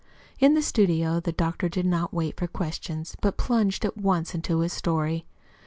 In the studio the doctor did not wait for questions, but plunged at once into his story.